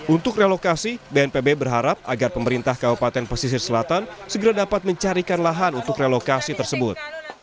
untuk relokasi bnpb berharap agar pemerintah kabupaten pesisir selatan segera dapat mencarikan lahan untuk relokasi tersebut